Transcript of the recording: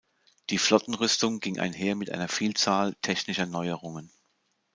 Die Flottenrüstung ging einher mit einer Vielzahl technischer Neuerungen.